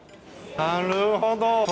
なるほど！